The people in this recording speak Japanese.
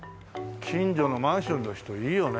近所のマンションの人いいよね。